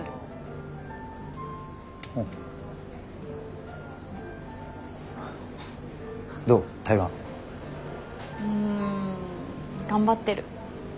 うん頑張ってる。